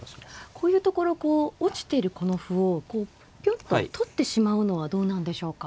こういうところこう落ちてるこの歩をこうぴょんと取ってしまうのはどうなんでしょうか。